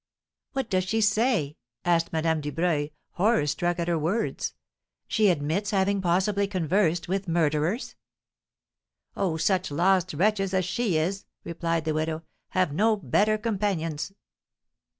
"What does she say?" asked Madame Dubreuil, horror struck at her words. "She admits having possibly conversed with murderers?" "Oh, such lost wretches as she is," replied the widow, "have no better companions!"